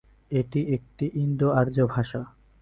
এটি একটি ইন্দো-আর্য ভাষা।